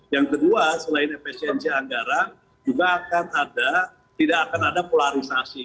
yang kedua selain efesiensi anggaran juga akan ada tidak akan ada polarisasi